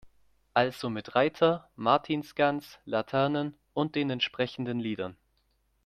Also mit Reiter, Martinsgans, Laternen und den entsprechenden Liedern.